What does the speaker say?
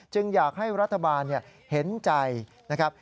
อยากให้รัฐบาลเห็นใจนะครับ